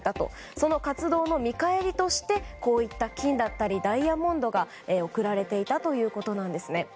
その活動の見返りとして金だったり、ダイヤモンドが贈られていたということなんですね。